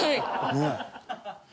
ねえ。